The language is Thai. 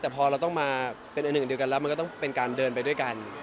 แต่พอเราต้องมาเป็นอันหนึ่งเดียวกันแล้วมันก็ต้องเป็นการเดินไปด้วยกัน